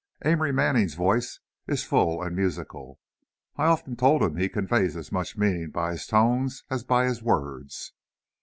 "Amory Manning's voice is full and musical; I've often told him he conveys as much meaning by his tones as by his words."